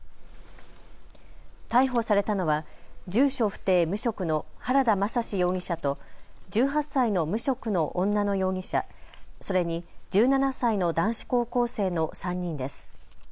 逮捕されたのは住所不定、無職の原田将容疑者と１８歳の無職の女の容疑者それに１７歳の男子高校生の３人です。